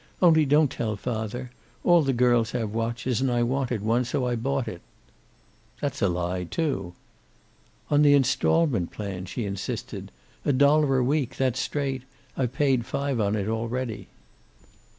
"Only don't tell father. All the girls have watches, and I wanted one. So I bought it." "That's a lie, too." "On the installment plan," she insisted. "A dollar a week, that's straight. I've paid five on it already."